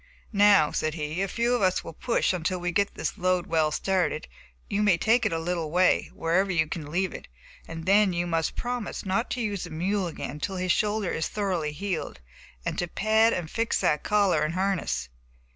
"Now," said he, "a few of us will push until we get this load well started, and you may take it a little way, wherever you can leave it, and then you must promise not to use the mule again until his shoulder is thoroughly healed, and to pad and fix that collar and harness."